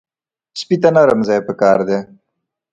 سپي ته نرم ځای پکار دی.